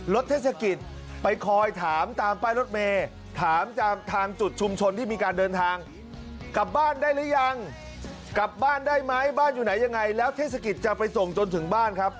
เทศกิจไปคอยถามตามป้ายรถเมย์ถามจากทางจุดชุมชนที่มีการเดินทางกลับบ้านได้หรือยังกลับบ้านได้ไหมบ้านอยู่ไหนยังไงแล้วเทศกิจจะไปส่งจนถึงบ้านครับ